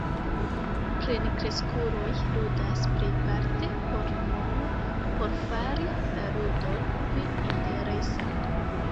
Plenkreskuloj ludas plejparte por mono por fari la ludon pli interesa.